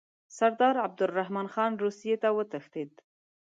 سردار عبدالرحمن خان روسیې ته وتښتېد.